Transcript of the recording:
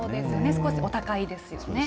少しお高いですよね。